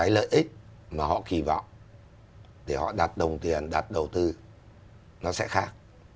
thì cái lợi ích mà họ kỳ vọng để họ đặt đồng tiền đặt đầu tư nó sẽ khác